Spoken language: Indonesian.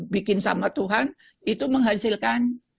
bikin sama tuhan itu menghasilkan